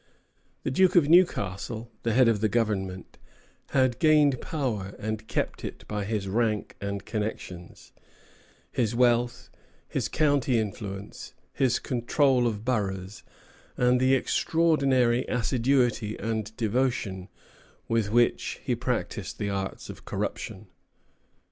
The Duke of Newcastle, the head of the government, had gained power and kept it by his rank and connections, his wealth, his county influence, his control of boroughs, and the extraordinary assiduity and devotion with which he practised the arts of corruption.